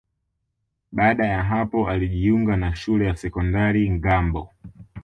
Baada ya hapo alijiunga na Shule ya Sekondari ya Ngambo